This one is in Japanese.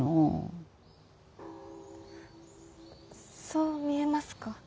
そう見えますか。